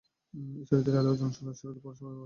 Ishwardi railway junction Ishwardi পৌরসভা সদরে অবস্থিত।